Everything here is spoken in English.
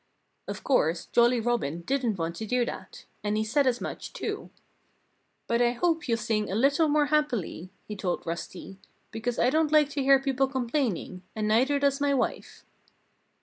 Of course Jolly Robin didn't want to do that. And he said as much, too. "But I hope you'll sing a little more happily," he told Rusty, "because I don't like to hear people complaining and neither does my wife."